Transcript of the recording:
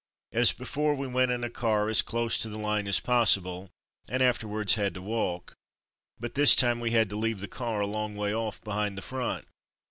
As before, we went in a car as close to the line as possible, and afterwards had to walk, but this time we had to leave the car a long way off behind the front.